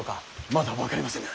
まだ分かりませぬ。